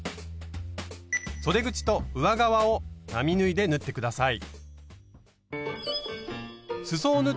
そで口と上側を並縫いで縫って下さい。